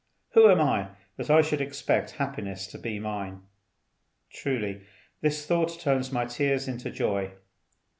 Who am I that I should expect happiness to be mine? Truly this thought turns my tears into joy.